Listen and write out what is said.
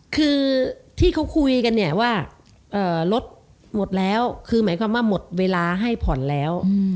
คือที่เขาคุยกันเนี่ยว่ารถหมดแล้วคือหมายความว่าหมดเวลาให้ผ่อนแล้ว